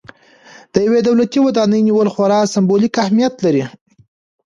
د یوې دولتي ودانۍ نیول خورا سمبولیک اهمیت لري.